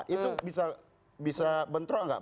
itu bisa bentrok atau gak